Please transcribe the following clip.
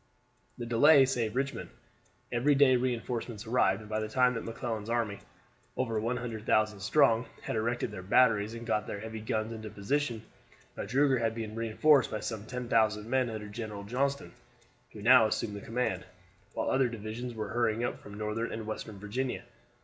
The delay saved Richmond. Every day reinforcements arrived, and by the time that McClellan's army, over 100,000 strong, had erected their batteries and got their heavy guns into position, Magruder had been reinforced by some 10,000 men under General Johnston, who now assumed the command, while other divisions were hurrying up from Northern and Western Virginia.